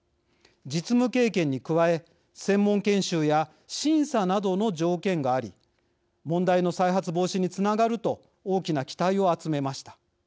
実務経験に加え専門研修や審査などの条件があり問題の再発防止につながると大きな期待を集めました。